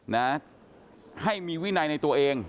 นะให้มีวินัยในตัวเอง